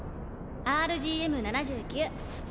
ＲＧＭ−７９。